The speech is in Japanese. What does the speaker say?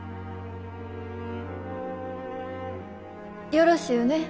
よろしゅうね。